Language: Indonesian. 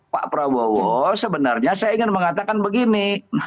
pak prabowo sebenarnya saya ingin mengatakan begini